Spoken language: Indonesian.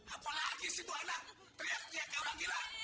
apalagi situ anak teriak teriak kayak orang gila